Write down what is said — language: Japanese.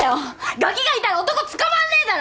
ガキがいたら男つかまんねえだろ！